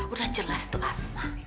udah jelas tuh asma